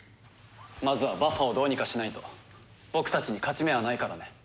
まずはバッファをどうにかしないと僕たちに勝ち目はないからね。